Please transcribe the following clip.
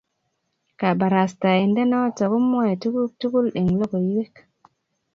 Kabarashainde noton komwoe tuku tugul en lokoiwek